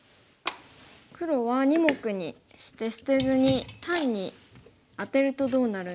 黒は２目にして捨てずに単にアテるとどうなるんでしょうか。